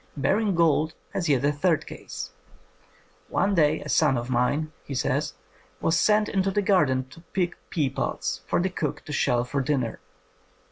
Baring Gould has yet a third case. ''One day a son of mine," he says, "was sent into the garden to pick pea pods for the cook to shell for dinner.